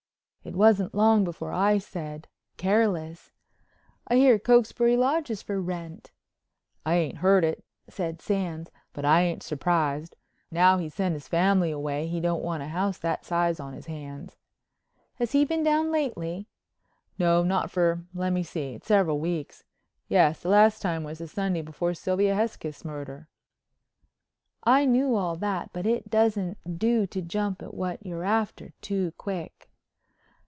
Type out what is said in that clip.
It wasn't long before I said, careless: "I hear Cokesbury Lodge is for rent." "I ain't heard it," said Sands, "but I ain't surprised. Now he's sent his family away he don't want a house that size on his hands." "Has he been down lately?" "No—not for—lemme see—it's several weeks. Yes—the last time was the Sunday before Sylvia Hesketh's murder." I knew all that but it doesn't do to jump at what you're after too quick.